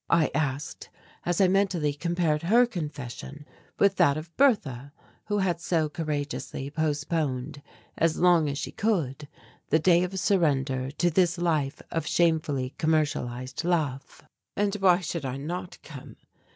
I asked, as I mentally compared her confession with that of Bertha who had so courageously postponed as long as she could the day of surrender to this life of shamefully commercialized love. "And why should I not come?"